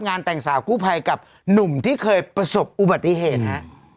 งานแต่งสาวกู้ภัยกับหนุ่มที่เคยประสบอุบัติเหตุฮะ